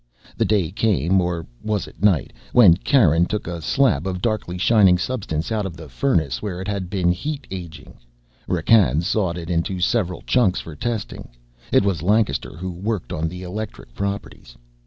The day came or was it the night? when Karen took a slab of darkly shining substance out of the furnace where it had been heat aging. Rakkan sawed it into several chunks for testing. It was Lancaster who worked on the electric properties.